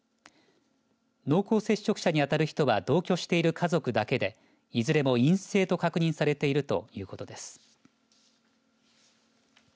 濃厚接触者にあたる人は同居している家族だけでいずれも陰性と確認されているということです。